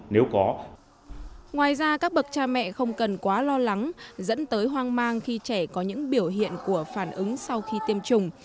ngoài ra các bậc cha mẹ không cần quá lo lắng dẫn tới hoang mang khi trẻ có những biểu hiện của phản ứng sau khi tiêm chủng